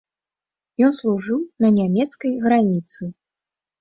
Ён служыў на нямецкай граніцы.